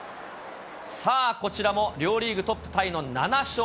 こちらも両リーグトップタイの７勝。